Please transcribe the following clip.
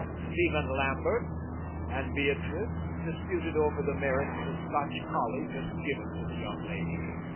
Stephen Lambert and Beatrice disputed over the merits of a Scotch collie just given to the young lady.